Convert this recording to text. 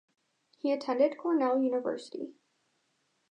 He attended Cornell University.